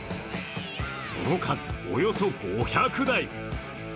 その数、およそ５００台。